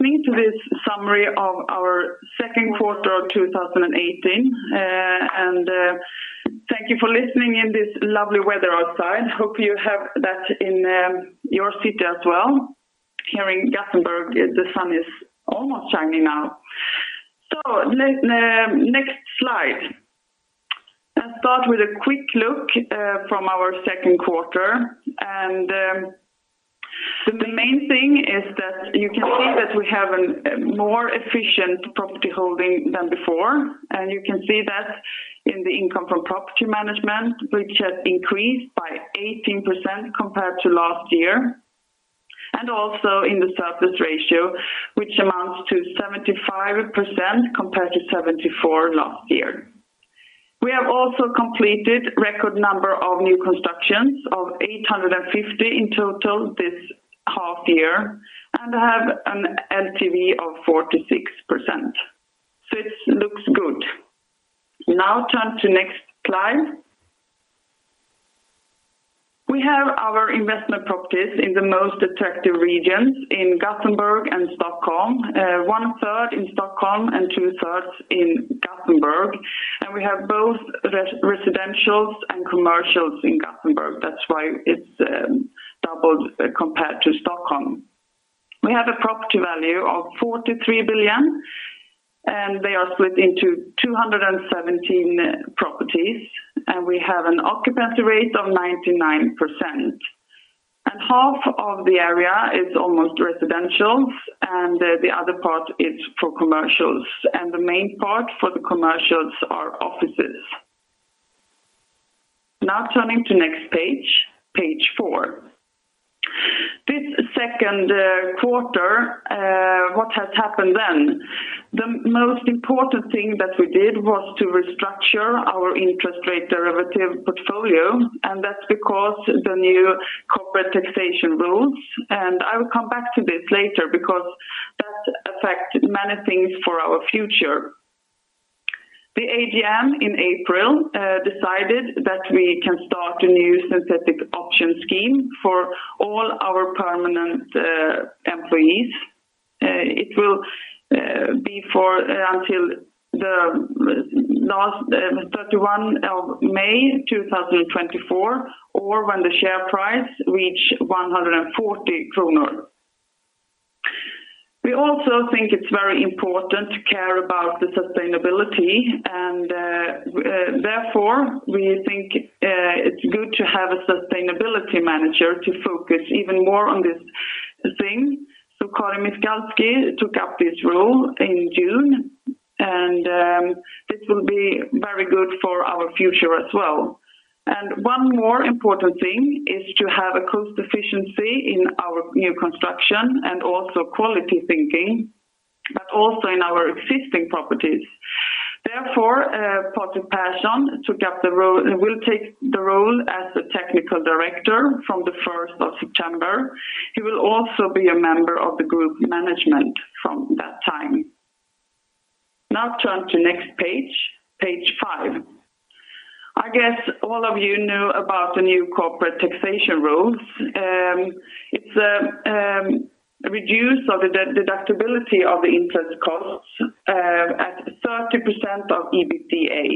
Listen to this summary of our second quarter of 2018. Thank you for listening in this lovely weather outside. Hope you have that in your city as well. Here in Gothenburg, the sun is almost shining now. Next slide. Let's start with a quick look from our second quarter. The main thing is that you can see that we have a more efficient property holding than before. You can see that in the income from property management, which had increased by 18% compared to last year, also in the surplus ratio, which amounts to 75% compared to 74% last year. We have also completed record number of new constructions of 850 in total this half year, and have an LTV of 46%. It looks good. Turn to next slide. We have our investment properties in the most attractive regions in Gothenburg and Stockholm, one-third in Stockholm and two-thirds in Gothenburg. We have both residentials and commercials in Gothenburg. That's why it's doubled compared to Stockholm. We have a property value of 43 billion, and they are split into 217 properties, and we have an occupancy rate of 99%. Half of the area is almost residentials, and the other part is for commercials. The main part for the commercials are offices. Now turning to next page four. This second quarter, what has happened then? The most important thing that we did was to restructure our interest rate derivative portfolio. That's because the new corporate taxation rules. I will come back to this later because that affects many things for our future. The AGM in April decided that we can start a new synthetic options scheme for all our permanent employees. It will be for until the last 31 of May 2024, or when the share price reach 140 kroner. We also think it's very important to care about the sustainability and therefore, we think it's good to have a sustainability manager to focus even more on this thing. Karin Mizgalski took up this role in June, and this will be very good for our future as well. One more important thing is to have a cost efficiency in our new construction and also quality thinking, but also in our existing properties. Patrik Persson will take the role as the Technical Director from the 1st of September. He will also be a member of the group management from that time. Turn to next page five. I guess all of you know about the new corporate taxation rules. It's a reduce of the deductibility of the interest costs at 30% of EBTA.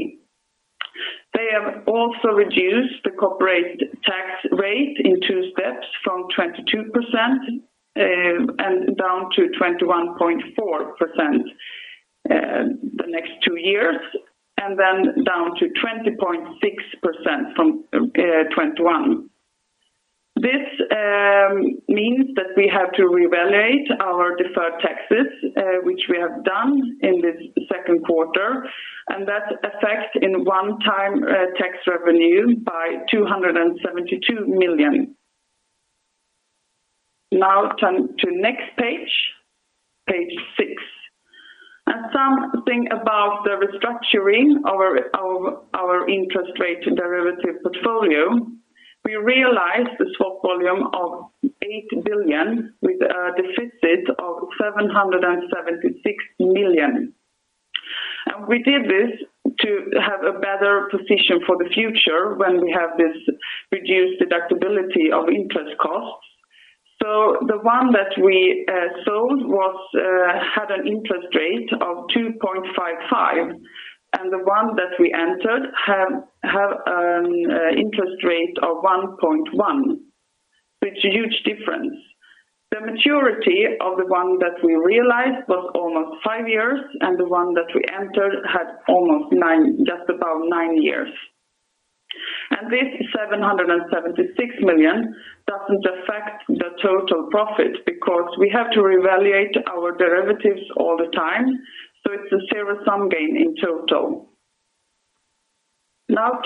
They have also reduced the corporate tax rate in two steps from 22% and down to 21.4% the next two years, and then down to 20.6% from 2021. This means that we have to reevaluate our deferred taxes, which we have done in this second quarter, and that affects in one-time tax revenue by SEK 272 million. Turn to next page six. Something about the restructuring of our interest rate derivative portfolio. We realized the swap volume of 8 billion with a deficit of 776 million. We did this to have a better position for the future when we have this reduced deductibility of interest costs. The one that we sold was had an interest rate of 2.55%, and the one that we entered have an interest rate of 1.1%, it's a huge difference. The maturity of the one that we realized was almost five years, and the one that we entered had almost just about nine years. This 776 million doesn't affect the total profit because we have to reevaluate our derivatives all the time, so it's a zero-sum game in total.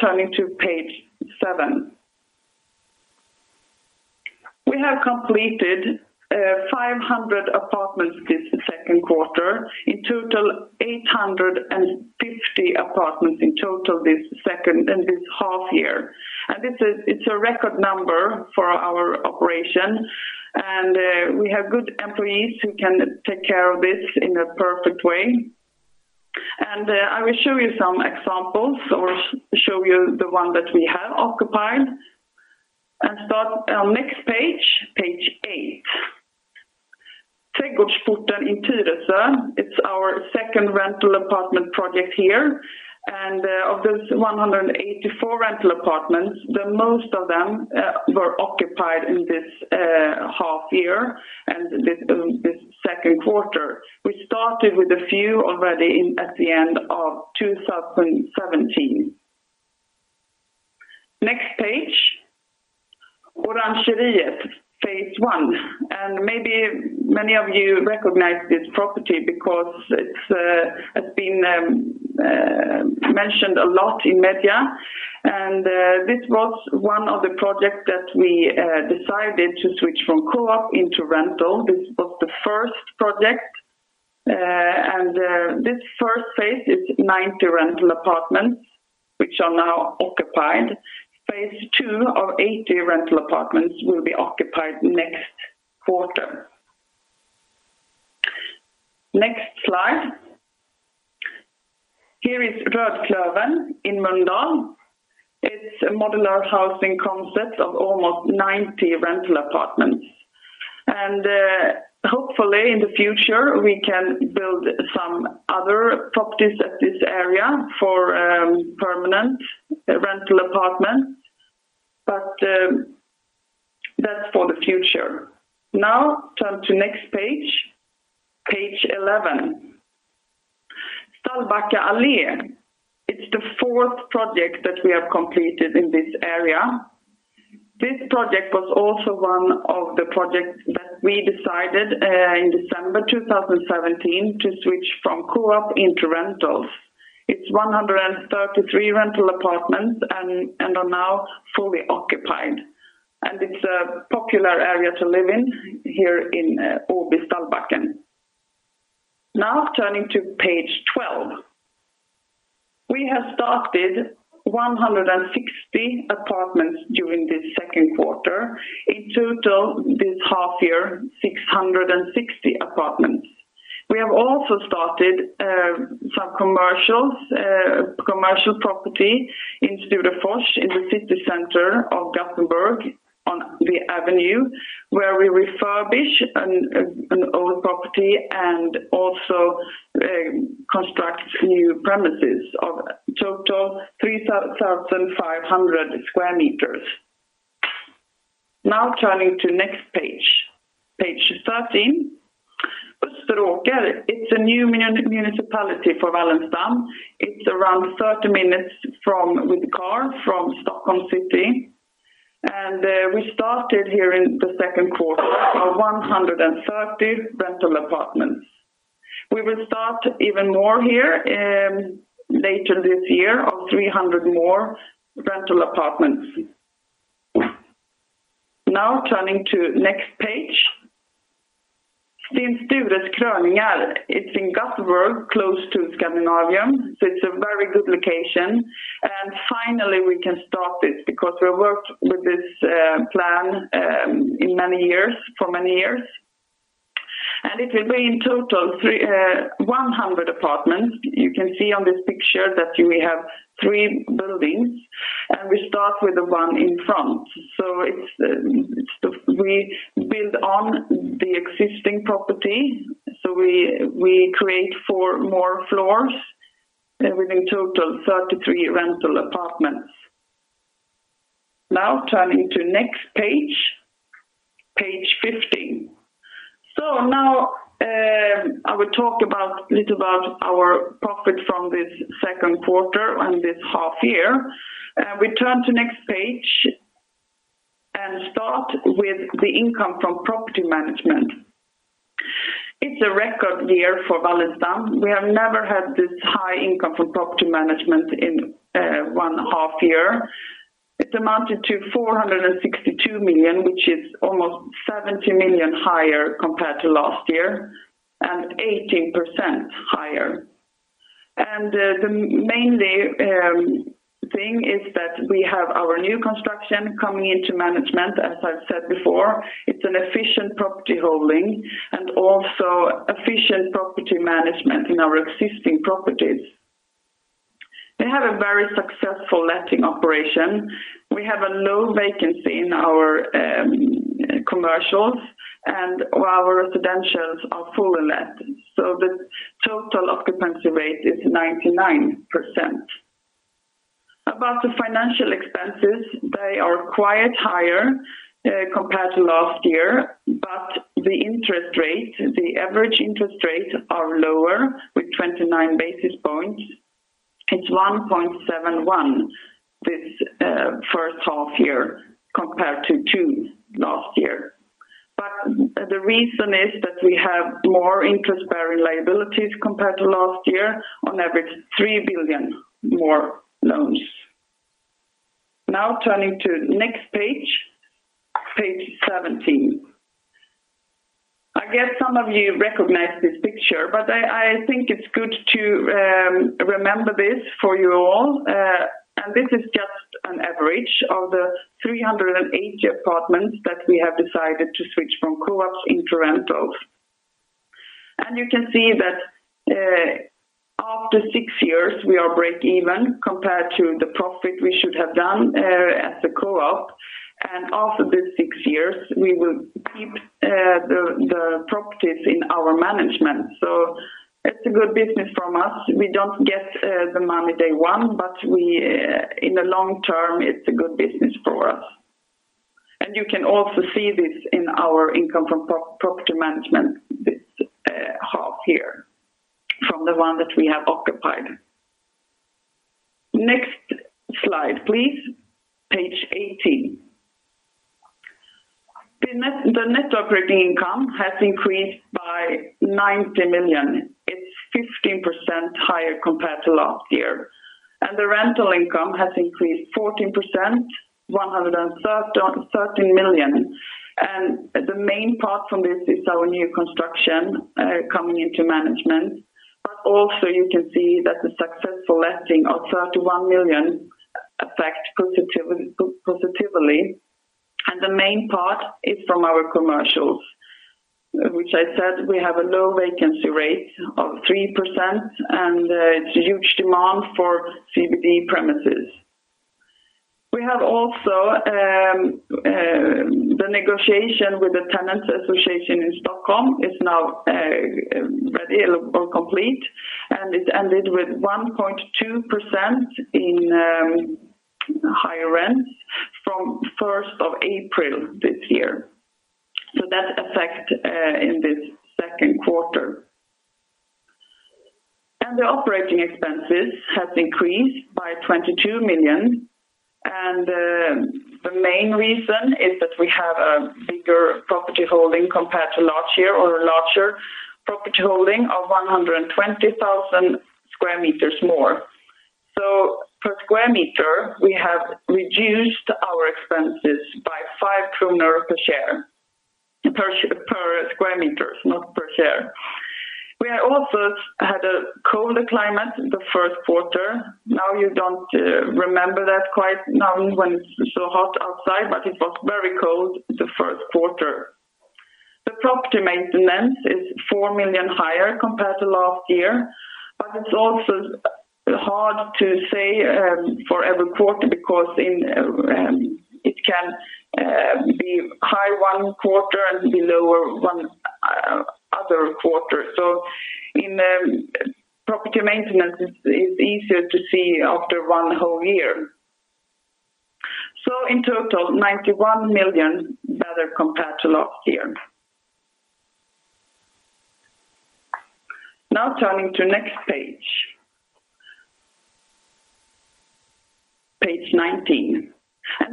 Turning to page seven. We have completed 500 apartments this second quarter. In total, 850 apartments in total this half year. It's a record number for our operation. We have good employees who can take care of this in a perfect way. I will show you some examples or show you the one that we have occupied. Start on next page eight. Trädgårdsporten in Tyresö. It's our second rental apartment project here. Of those 184 rental apartments, the most of them were occupied in this half year and this second quarter. We started with a few already at the end of 2017. Next page. Orangeriet, phase I. Maybe many of you recognize this property because it's been mentioned a lot in media. This was one of the projects that we decided to switch from co-op into rental. This was the first project. This first phase is 90 rental apartments, which are now occupied. Phase two of 80 rental apartments will be occupied next quarter. Next slide. Here is Rödklövern in Mölndal. It's a modular housing concept of almost 90 rental apartments. Hopefully, in the future, we can build some other properties at this area for permanent rental apartments. That's for the future. Now turn to next page 11. Stallbacka Allé. It's the fourth project that we have completed in this area. This project was also one of the projects that we decided in December 2017 to switch from co-op into rentals. It's 133 rental apartments and are now fully occupied. It's a popular area to live in here in Åby Stallbacken. Now turning to page 12. We have started 160 apartments during this second quarter. In total, this half year, 660 apartments. We have also started some commercials, commercial property in Sturefors in the city center of Gothenburg on the avenue, where we refurbish an old property and also construct new premises of total 3,500 square meters. Now turning to next page 13. Österåker, it's a new municipality for Wallenstam. It's around 30 minutes from with car from Stockholm City. We started here in the second quarter of 130 rental apartments. We will start even more here later this year of 300 more rental apartments. Now turning to next page. Stens Stures Kröningar. It's in Gothenburg, close to Scandinavium, so it's a very good location. Finally, we can start this because we worked with this plan for many years. It will be in total 100 apartments. You can see on this picture that we have three buildings, and we start with the one in front. It's the we build on the existing property. We create four more floors with in total 33 rental apartments. Now turning to next page 15. Now, I will talk little about our profit from this second quarter and this half year. We turn to next page and start with the income from property management. It's a record year for Wallenstam. We have never had this high income from property management in one half year. It amounted to 462 million, which is almost 70 million higher compared to last year, 18% higher. The mainly thing is that we have our new construction coming into management. As I've said before, it's an efficient property holding and also efficient property management in our existing properties. We have a very successful letting operation. We have a low vacancy in our commercials, Our residentials are fully let. The total occupancy rate is 99%. About the financial expenses, they are quite higher compared to last year, the interest rate, the average interest rate are lower with 29 basis points. It's 1.71 this first half-year compared to two last year. The reason is that we have more interest-bearing liabilities compared to last year, on average 3 billion more loans. Now turning to next page 17. I guess some of you recognize this picture, but I think it's good to remember this for you all. This is just an average of the 308 apartments that we have decided to switch from co-ops into rentals. You can see that, after six years, we are breakeven compared to the profit we should have done at the co-op. After the six years, we will keep the properties in our management. It's a good business from us. We don't get the money day one, in the long term, it's a good business for us. You can also see this in our income from pro-property management, this half here from the one that we have occupied. Next slide, please. Page 18. The net operating income has increased by 90 million. It's 15% higher compared to last year. The rental income has increased 14%, 13 million. The main part from this is our new construction coming into management. Also you can see that the successful letting of 31 million affect positively. The main part is from our commercials, which I said we have a low vacancy rate of 3%, and it's a huge demand for CBD premises. We have also, the negotiation with the Tenants Association in Stockholm is now ready or complete, and it ended with 1.2% in higher rents from first of April this year. That affect in this second quarter. The operating expenses has increased by 22 million. The main reason is that we have a bigger property holding compared to last year or a larger property holding of 120,000 square meters more. Per square meter, we have reduced our expenses by 5 kronor per share, per square meters, not per share. We also had a colder climate the first quarter. You don't remember that quite now when it's so hot outside, but it was very cold the first quarter. The property maintenance is 4 million higher compared to last year, it's also hard to say for every quarter because in, it can be high one quarter and be lower one other quarter. In property maintenance, it's easier to see after one whole year. In total, 91 million better compared to last year. Turning to next page. Page 19.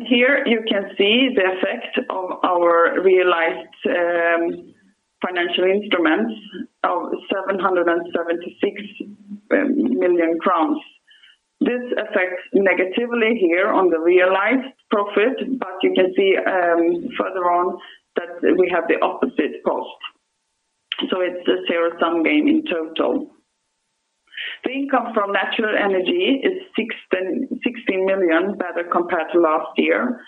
Here you can see the effect of our realized financial instruments of 776 million crowns. This affects negatively here on the realized profit, you can see further on that we have the opposite cost. It's a zero-sum game in total. The income from natural energy is 16 million better compared to last year.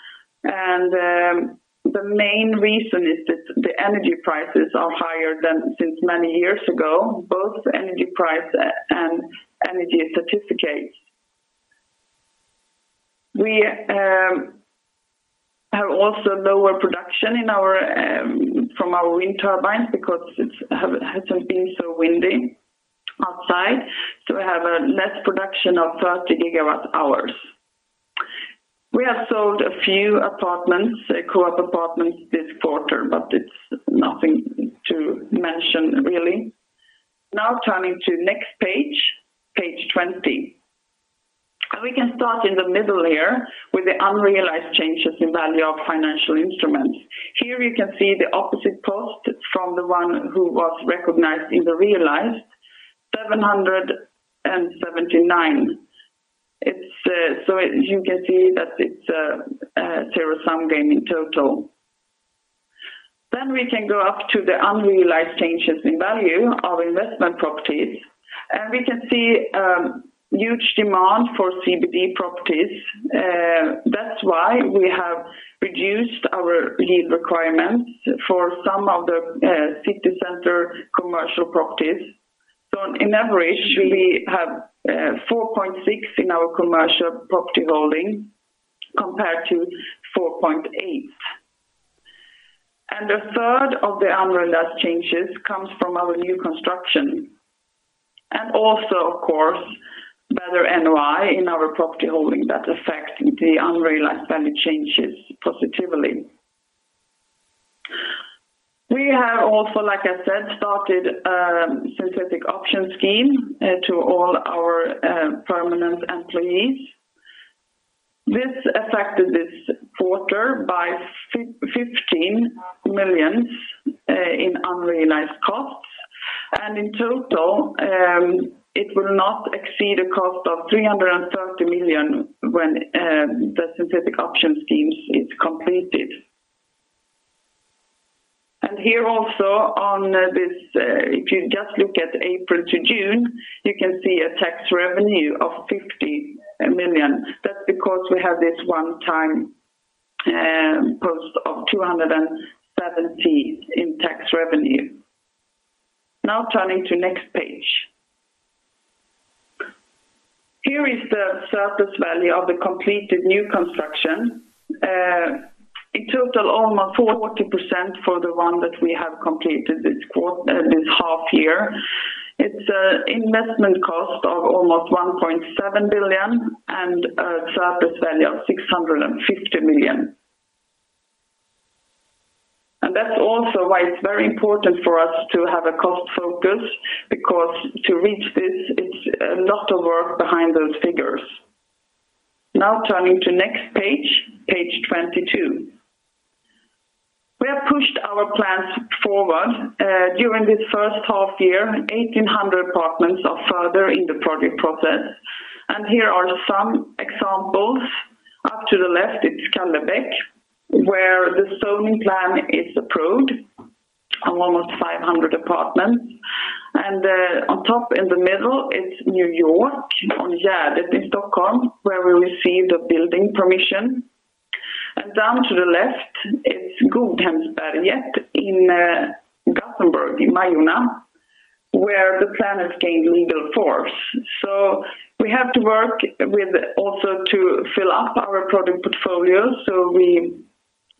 The main reason is that the energy prices are higher than since many years ago, both energy price and energy certificates. We have also lower production in our from our wind turbines because it hasn't been so windy outside, so we have a less production of 30 GW hours. We have sold a few apartments, co-op apartments this quarter, it's nothing to mention really. Now turning to next page 20. We can start in the middle here with the unrealized changes in value of financial instruments. Here you can see the opposite cost from the one who was recognized in the realized 779. It's, you can see that it's a zero-sum game in total. We can go up to the unrealized changes in value of investment properties, we can see huge demand for CBD properties. That's why we have reduced our yield requirements for some of the city center commercial properties. On average, we have 4.6% in our commercial property holding compared to 4.8%. A third of the unrealized changes comes from our new construction. Also, of course, better NOI in our property holding that affect the unrealized value changes positively. We have also, like I said, started a synthetic options scheme to all our permanent employees. This affected this quarter by 15 million in unrealized costs. In total, it will not exceed a cost of 330 million when the synthetic options schemes is completed. Here also on this, if you just look at April to June, you can see a tax revenue of 50 million. That's because we have this one time post of 270 in tax revenue. Turning to next page. Here is the surplus value of the completed new construction. In total almost 40% for the one that we have completed this half year. It's investment cost of almost 1.7 billion and a surplus value of 650 million. That's also why it's very important for us to have a cost focus because to reach this it's a lot of work behind those figures. Now turning to next page 22. We have pushed our plans forward during this first half-year. 1,800 apartments are further in the project process. Here are some examples. Up to the left it's Kallebäck, where the zoning plan is approved on almost 500 apartments. On top in the middle it's New York on Gärdet in Stockholm, where we received a building permission. Down to the left it's Godhemsberget in Gothenburg, in Majorna where the plan has gained legal force. We have to work with also to fill up our product portfolio. We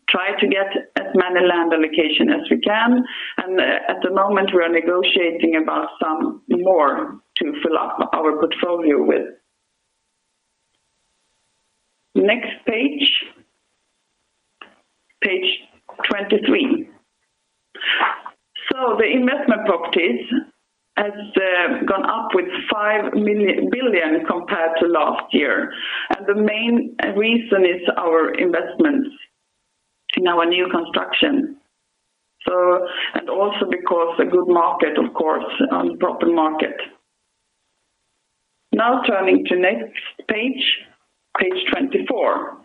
try to get as many land allocation as we can. At the moment we are negotiating about some more to fill up our portfolio with. Next page 23. The investment properties has gone up with 5 billion compared to last year. The main reason is our investments in our new construction. Also because a good market of course on the proper market. Turning to next page 24.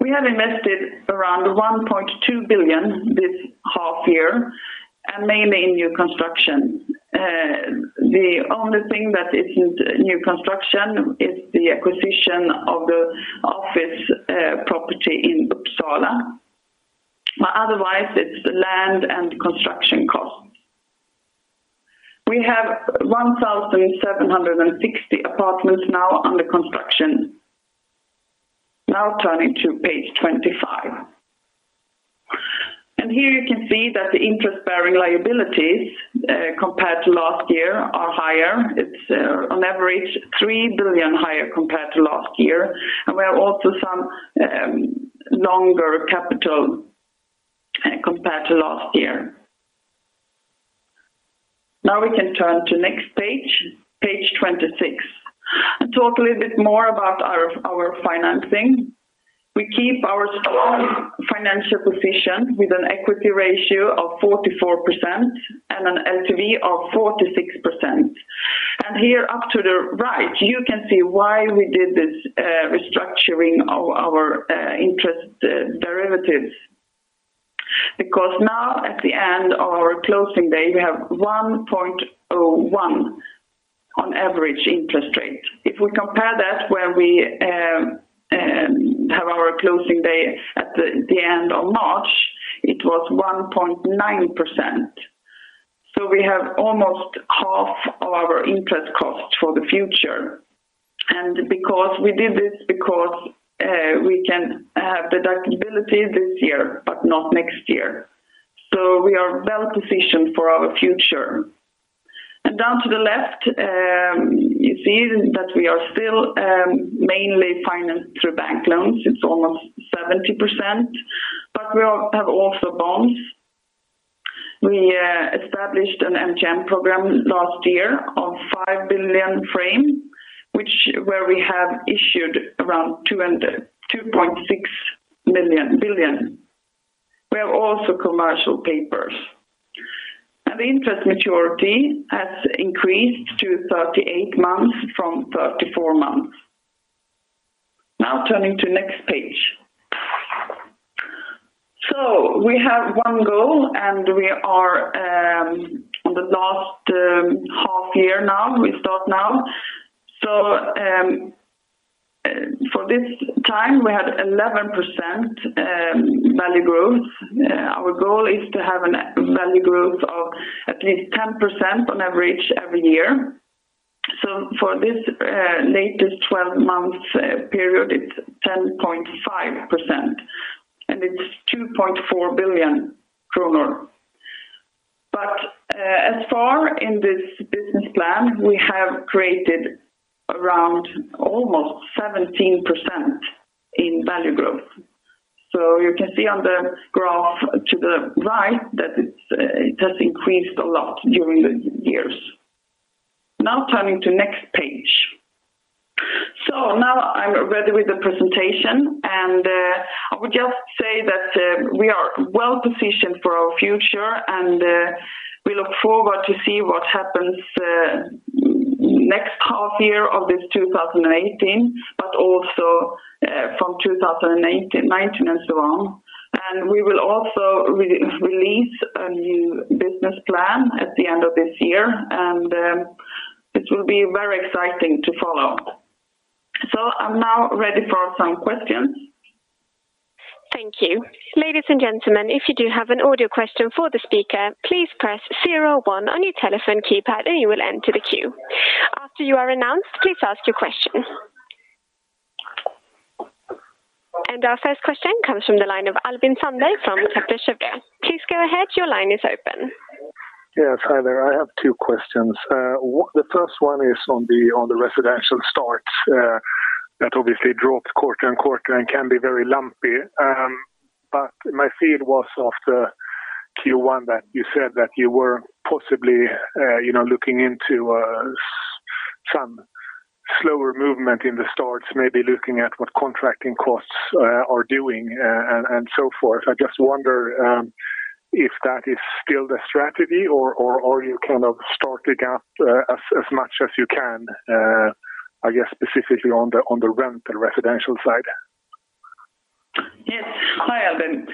We have invested around 1.2 billion this half year, and mainly in new construction. The only thing that isn't new construction is the acquisition of the office property in Uppsala. Otherwise it's land and construction costs. We have 1,760 apartments now under construction. Turning to page 25. Here you can see that the interest bearing liabilities compared to last year are higher. It's on average 3 billion higher compared to last year. We have also some longer capital compared to last year. We can turn to next page 26, and talk a little bit more about our financing. We keep our strong financial position with an equity ratio of 44% and an LTV of 46%. Here up to the right you can see why we did this restructuring of our interest derivatives. Now at the end of our closing day, we have 1.01 on average interest rate. If we compare that where we have our closing day at the end of March, it was 1.9%. We have almost half of our interest costs for the future. Because we did this because we can have deductibility this year, but not next year. We are well positioned for our future. Down to the left, you see that we are still mainly financed through bank loans. It's almost 70%, but we have also bonds. We established an MTN program last year of 5 billion frame, which where we have issued around 2.6 billion. We have also commercial papers. The interest maturity has increased to 38 months from 34 months. Now turning to next page. We have one goal, and we are on the last half year now. We start now. For this time, we had 11% value growth. Our goal is to have an value growth of at least 10% on average every year. For this latest 12 months period, it's 10.5%, and it's 2.4 billion kronor. As far in this business plan, we have created around almost 17% in value growth. You can see on the graph to the right that it's, it has increased a lot during the years. Now turning to next page. Now I'm ready with the presentation, and I would just say that we are well positioned for our future, and we look forward to see what happens next half year of this 2018, but also from 2018, 2019 and so on. We will also re-release a new business plan at the end of this year, and it will be very exciting to follow. I'm now ready for some questions. Thank you. Ladies and gentlemen, if you do have an audio question for the speaker, please press zero one on your telephone keypad, and you will enter the queue. After you are announced, please ask your question. Our first question comes from the line of Albin Sande from Please go ahead. Your line is open. Yes. Hi there. I have two questions. The first one is on the residential starts that obviously dropped quarter-over-quarter and can be very lumpy. My feel was after Q1 that you said that you were possibly, you know, looking into some slower movement in the starts, maybe looking at what contracting costs are doing and so forth. I just wonder if that is still the strategy or you kind of start the gap as much as you can, I guess specifically on the rental residential side? Yes. Hi, Albin.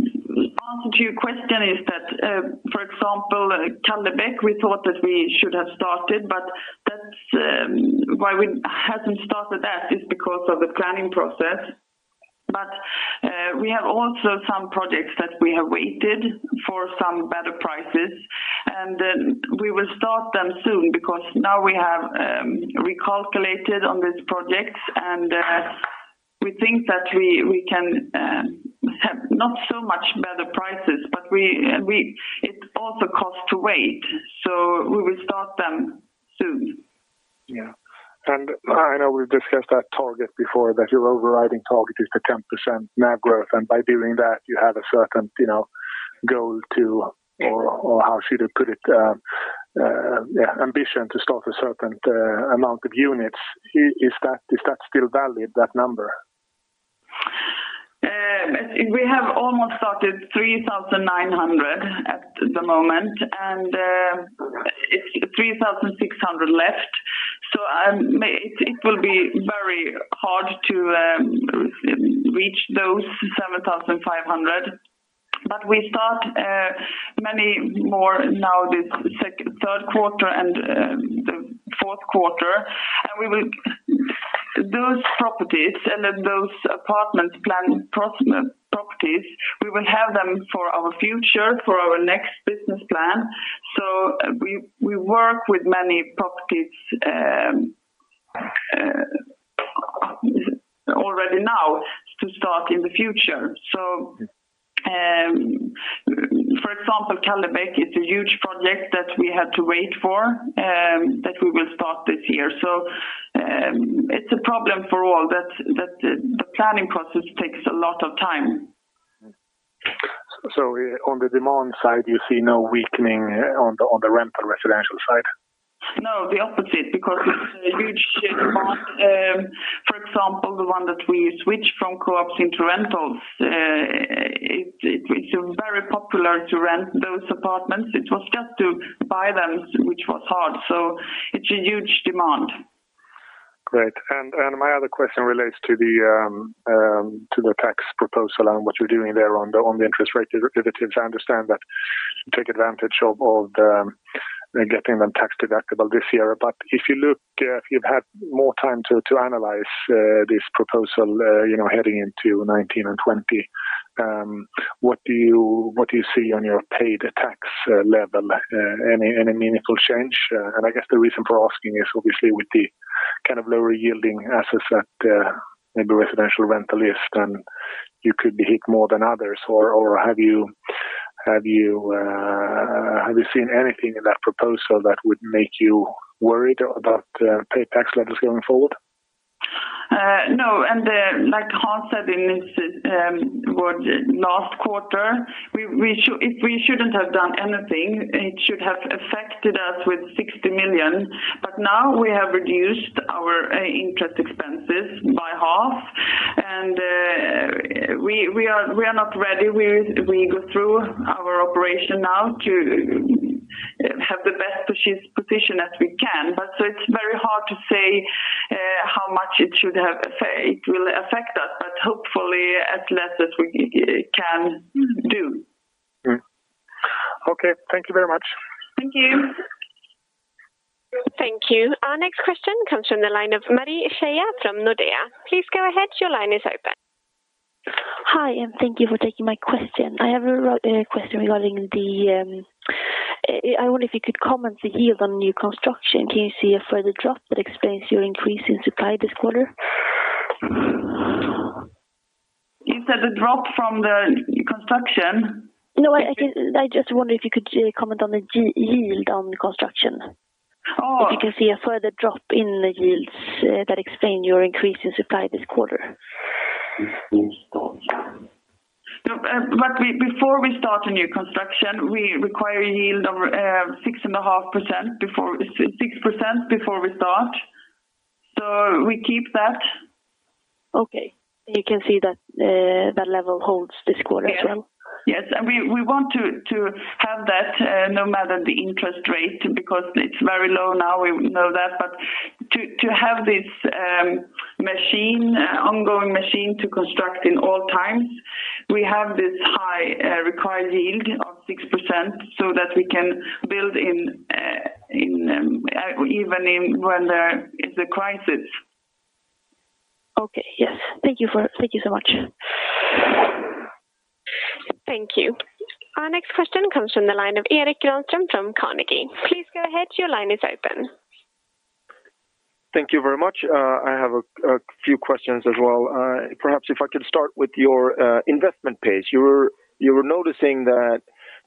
Answer to your question is that, for example, Kallebäck, we thought that we should have started, but that's why we haven't started that is because of the planning process. We have also some projects that we have waited for some better prices, and we will start them soon because now we have recalculated on these projects, and we think that we can have not so much better prices, but it also costs to wait. We will start them soon. Yeah. I know we've discussed that target before, that your overriding target is the 10% NAV growth, and by doing that, you have a certain, you know, goal. Yeah. How should I put it? Yeah, ambition to start a certain amount of units. Is that still valid, that number? We have almost started 3,900 at the moment, and it's 3,600 left. It will be very hard to reach those 7,500. We start many more now this third quarter and the fourth quarter. Those properties and then those apartments plan properties, we will have them for our future, for our next business plan. We work with many properties already now to start in the future. For example, Kallebäck is a huge project that we had to wait for that we will start this year. It's a problem for all that the planning process takes a lot of time. On the demand side, you see no weakening on the rental residential side? No, the opposite because it's a huge demand. For example, the one that we switched from co-ops into rentals, it's very popular to rent those apartments. It was just to buy them which was hard. It's a huge demand. Great. My other question relates to the tax proposal and what you're doing there on the interest rate derivatives. I understand that you take advantage of getting them tax deductible this year. If you look, if you've had more time to analyze this proposal, you know, heading into 2019 and 2020, what do you see on your paid tax level? Any meaningful change? I guess the reason for asking is obviously with the kind of lower yielding assets that maybe residential rental is, then you could be hit more than others. Have you seen anything in that proposal that would make you worried about paid tax levels going forward? No. Like Hans said in this last quarter, we if we shouldn't have done anything, it should have affected us with 60 million. Now we have reduced our interest expenses by half. We are not ready. We go through our operation now to have the best position as we can. It's very hard to say how much it should have it will affect us, but hopefully as less as we can do. Okay. Thank you very much. Thank you. Thank you. Our next question comes from the line of Marie Scheja from Nordea. Please go ahead. Your line is open. Hi, thank you for taking my question. I have a question regarding the. I wonder if you could comment the yield on new construction. Can you see a further drop that explains your increase in supply this quarter? Is that the drop from the construction? No, I just wonder if you could comment on the yield on the construction? Oh. If you can see a further drop in the yields, that explain your increase in supply this quarter. Before we start a new construction, we require a yield of 6% before we start. We keep that. Okay. You can see that level holds this quarter as well? Yes, we want to have that, no matter the interest rate, because it's very low now, we know that. To have this machine, ongoing machine to construct in all times, we have this high, required yield of 6% so that we can build in even in when there is a crisis. Okay. Yes. Thank you so much. Thank you. Our next question comes from the line of Erik Güllstrom from Carnegie. Please go ahead. Your line is open. Thank you very much. I have a few questions as well. Perhaps if I could start with your investment pace. You were noticing that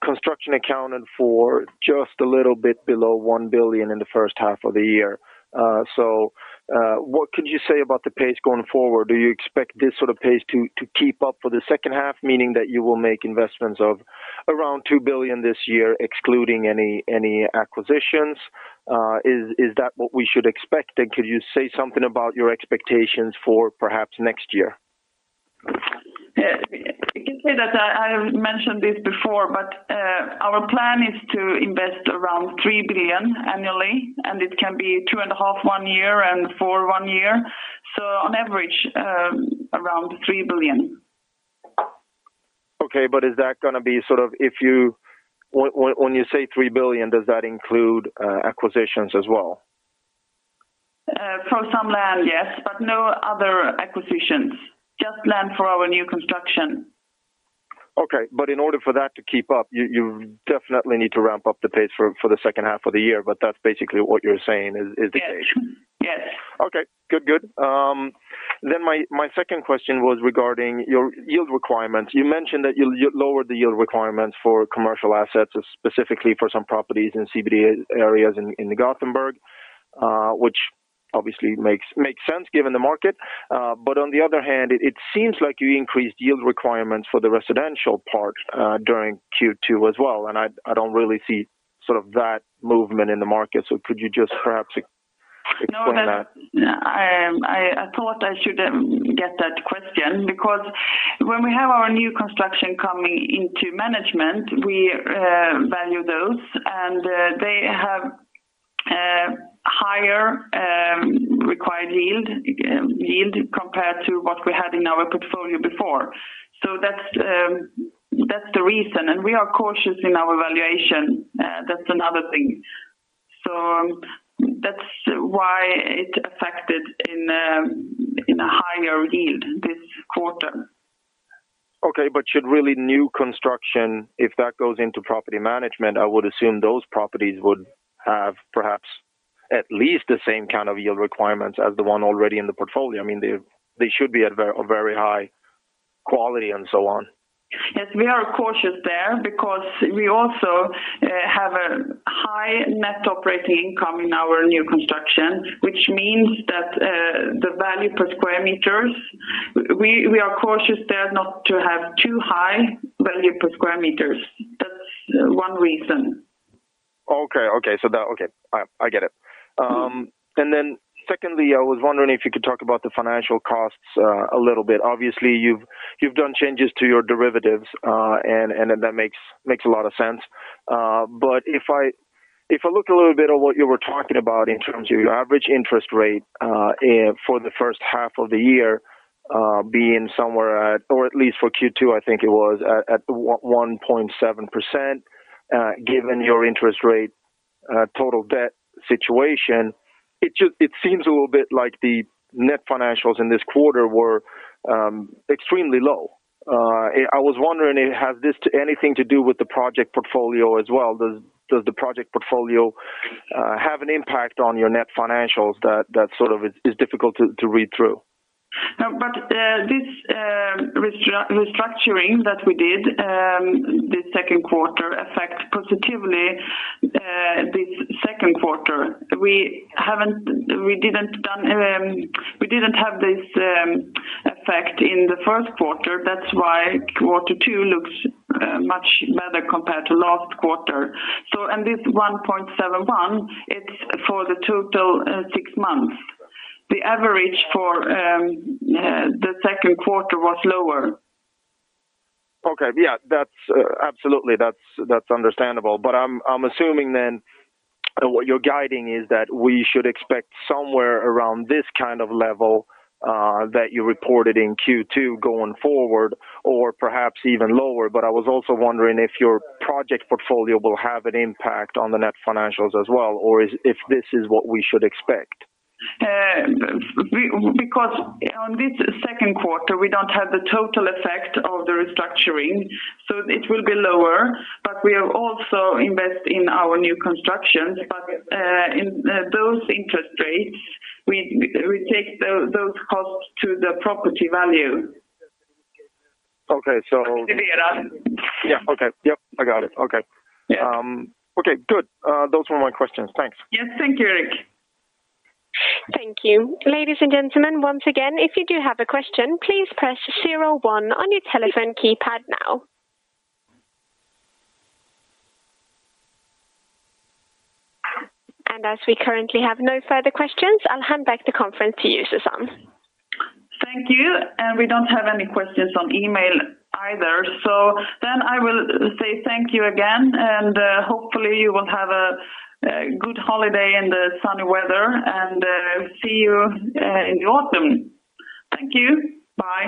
construction accounted for just a little bit below 1 billion in the first half of the year. What could you say about the pace going forward? Do you expect this sort of pace to keep up for the second half, meaning that you will make investments of around 2 billion this year excluding any acquisitions? Is that what we should expect? Could you say something about your expectations for perhaps next year? Yeah. You can say that I mentioned this before, but our plan is to invest around 3 billion annually, and it can be 2.5 billion one year and 4 billion one year. On average, around 3 billion. Okay. Is that gonna be sort of, when you say 3 billion, does that include acquisitions as well? For some land, yes, but no other acquisitions. Just land for our new construction. Okay. In order for that to keep up, you definitely need to ramp up the pace for the second half of the year, but that's basically what you're saying is the case. Yes. Yes. Okay. Good. Good. My, my second question was regarding your yield requirements. You mentioned that you lowered the yield requirements for commercial assets, specifically for some properties in CBD areas in Gothenburg, which obviously makes sense given the market. On the other hand, it seems like you increased yield requirements for the residential part during Q2 as well. I don't really see sort of that movement in the market. Could you just perhaps explain that? No, that. I thought I should get that question because when we have our new construction coming into management, we value those, and they have higher required yield compared to what we had in our portfolio before. That's the reason. We are cautious in our valuation, that's another thing. That's why it affected in a higher yield this quarter. Should really new construction, if that goes into property management, I would assume those properties would have perhaps at least the same kind of yield requirements as the one already in the portfolio. I mean, they should be at very high quality and so on. We are cautious there because we also have a high net operating income in our new construction, which means that the value per square meters, we are cautious there not to have too high value per square meters. That's one reason. Okay. Okay. All right. I get it. Secondly, I was wondering if you could talk about the financial costs a little bit. Obviously, you've done changes to your derivatives, and that makes a lot of sense. If I, if I look a little bit on what you were talking about in terms of your average interest rate for the first half of the year, being somewhere at, or at least for Q2, I think it was at 1.7%, given your interest rate total debt situation, it seems a little bit like the net financials in this quarter were extremely low. I was wondering, has this anything to do with the project portfolio as well? Does the project portfolio have an impact on your net financials that sort of is difficult to read through? This restructuring that we did, this second quarter affect positively this second quarter. We didn't done, we didn't have this effect in the first quarter. That's why quarter two looks much better compared to last quarter. And this 1.71, it's for the total six months. The average for the second quarter was lower. Okay. Yeah. That's absolutely that's understandable. I'm assuming then what you're guiding is that we should expect somewhere around this kind of level that you reported in Q2 going forward or perhaps even lower. I was also wondering if your project portfolio will have an impact on the net financials as well, or if this is what we should expect. Because on this second quarter, we don't have the total effect of the restructuring, so it will be lower. We have also invest in our new constructions. In those interest rates, we take those costs to the property value. Okay. Yeah. Okay. Yep, I got it. Okay. Yeah. Okay, good. Those were my questions. Thanks. Yes. Thank you, Erik. Thank you. Ladies and gentlemen, once again, if you do have a question, please press zero one on your telephone keypad now. As we currently have no further questions, I'll hand back the conference to you, Susann. Thank you. We don't have any questions on email either. I will say thank you again, and hopefully you will have a good holiday in the sunny weather, and see you in the autumn. Thank you. Bye.